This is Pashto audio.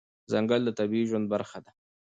ځنګل د طبیعي ژوند برخه ده.